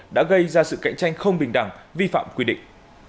đã gây ra sự cạnh tranh không bình đẳng vi phạm quy định